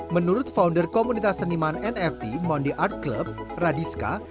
menurut founder komunitas seniman nft mondy art club radiska